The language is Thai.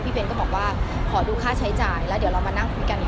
เบนก็บอกว่าขอดูค่าใช้จ่ายแล้วเดี๋ยวเรามานั่งคุยกัน